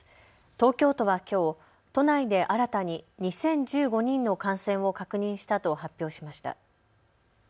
東京都はきょう都内で新たに２０１５人の感染を確認したと発表しました。